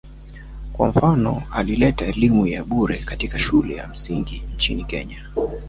Kwa mfano, aliileta elimu ya bure katika shule za msingi nchini Kenya